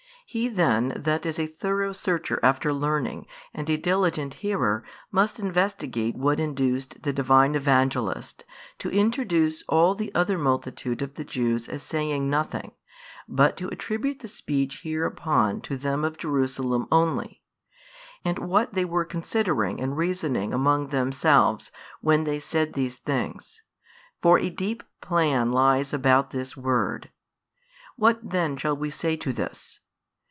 He then that is a thorough searcher after learning, and a diligent hearer, must investigate what induced the Divine Evangelist, to introduce all the other multitude of the Jews as saying nothing, but to attribute the speech hereupon to them of Jerusalem only; and what they were considering and reasoning among themselves when they said these things: for a deep plan lies about this word. What then shall we say to this?